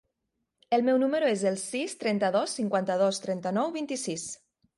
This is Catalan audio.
El meu número es el sis, trenta-dos, cinquanta-dos, trenta-nou, vint-i-sis.